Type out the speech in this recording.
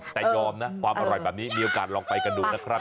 แต่ยอมนะความอร่อยแบบนี้มีโอกาสลองไปกันดูนะครับ